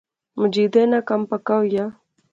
مجیدے ناں کم پکا ہوئی آ